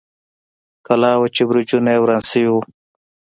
کلا وه، چې برجونه یې وران شوي و.